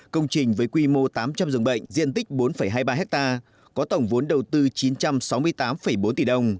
công trình với quy mô tám trăm linh giường bệnh diện tích bốn hai mươi ba hectare có tổng vốn đầu tư chín trăm sáu mươi tám bốn tỷ đồng